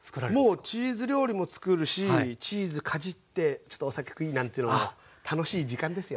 もうチーズ料理もつくるしチーズかじってちょっとお酒をクイッなんてのも楽しい時間ですよね。